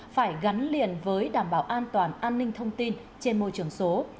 phải gắn liền với đảm bảo an toàn an ninh thông tin trên môi trường số